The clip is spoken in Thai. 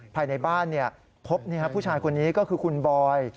ภายในบ้านพบผู้ชายคนนี้ก็คือคุณบอย